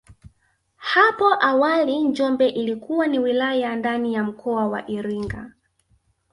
Hapo awali Njombe ilikuwa ni wilaya ndani ya mkoa wa Iringa